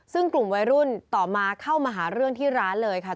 ซึ่งกลุ่มวัยรุ่นต่อมาเข้ามาหาเรื่องที่ร้านเลยค่ะ